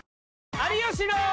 有吉の。